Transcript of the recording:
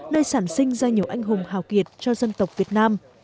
nơi sản sinh ra nhiều anh hùng hào kiệt cho dân tộc việt nam